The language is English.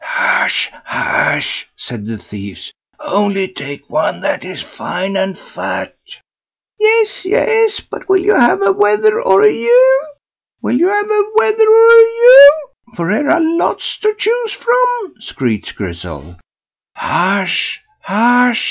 "Hush, hush!" said the thieves, "only take one that is fine and fat." "Yes, yes! but will you have a wether or a ewe? will you have a wether or a ewe? for here are lots to choose from," screeched Grizzel. "Hush, hush!"